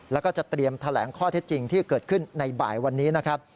แล้วก็จะเตรียมแถลงข้อเท็จจริงที่เกิดขึ้นในบ่ายวันนี้นะครับ